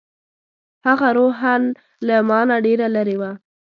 هغه روحاً له ما نه ډېره لرې وه.